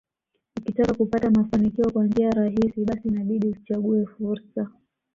Ukitaka kupata mafanikio kwa njia rahisi basi inabidi usichague fursa